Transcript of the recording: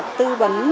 phức tạp nhân